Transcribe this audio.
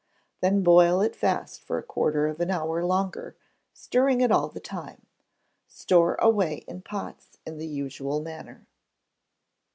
Then boil it fast for a quarter of an hour longer, stirring it all the time. Store away in pots in the usual manner.